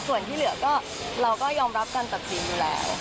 ส่วนที่เหลือก็เราก็ยอมรับการตัดสินอยู่แล้ว